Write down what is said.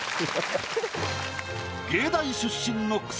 芸大出身のクセ